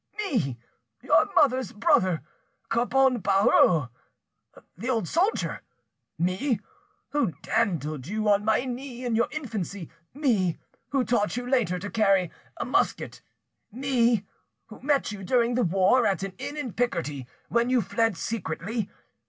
—me, your mother's brother, Carbon Barreau, the old soldier! Me, who dandled you on my knee in your infancy; me, who taught you later to carry a musket; me, who met you during the war at an inn in Picardy, when you fled secretly.